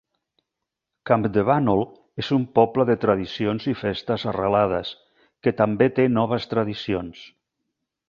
Campdevànol és un poble de tradicions i festes arrelades, que també té noves tradicions.